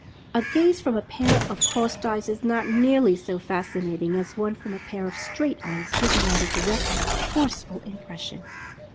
A gaze from a pair of "crossed eyes" is not nearly so Fasci nating as one from a pair of straight eyes, giving out a direct, forceful impression.